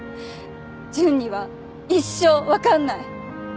純には一生わかんない。